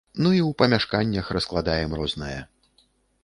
Ну, і ў памяшканнях раскладаем рознае.